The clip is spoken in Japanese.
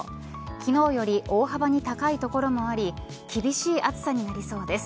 昨日より大幅に高い所もあり厳しい暑さになりそうです。